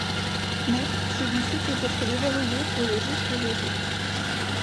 Mais, celui-ci peut être déverrouillé pour les autres réseaux.